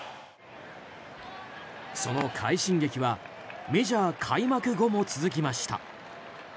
その快進撃はメジャー開幕後も続きました。